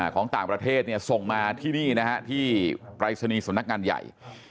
ของต่างประเทศส่งมาที่นี่นะฮะที่ปรายศนีย์สำนักงานใหญ่